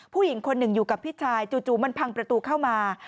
ผู้หญิงคนหนึ่งอยู่กับพี่ชายจู่มันพังประตูเข้ามา